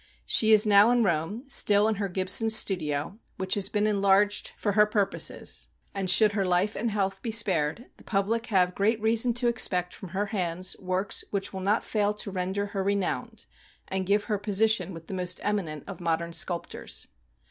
She is now in Home, still in her Gibson's Studio, which has been enlarged for her purposes ; and, should her life and health be spared, the public have great reason to expect from her hands works which will not fail to render her renowned, and give her position with the most eminent of modern sculptors.